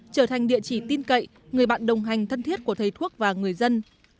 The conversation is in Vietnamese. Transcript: trở thành địa chỉ tin cậy người bạn đồng hành thân thiết của thầy thuốc và người dân